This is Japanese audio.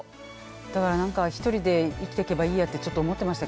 だから何か一人で生きてけばいいやってちょっと思ってましたけど。